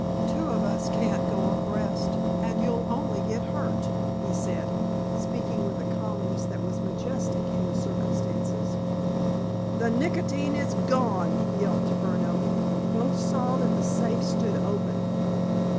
"Two of us can't go abreast, and you'll only get hurt," he said, speaking with a calmness that was majestic in the circumstances. "The nicotine is gone!" yelped Furneaux; both saw that the safe stood open.